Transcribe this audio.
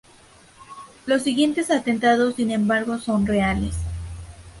Los siguientes atentados, sin embargo, son reales.